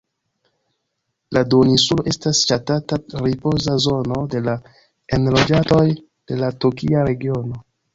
La duoninsulo estas ŝatata ripoza zono por la enloĝantoj de la tokia regiono.